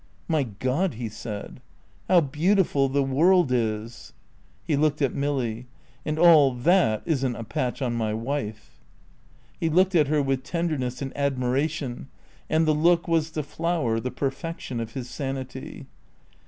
"My God," he said, "how beautiful the world is!" He looked at Milly. "And all that isn't a patch on my wife." He looked at her with tenderness and admiration, and the look was the flower, the perfection of his sanity.